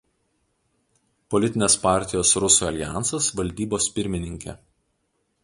Politinės partijos Rusų aljansas valdybos pirmininkė.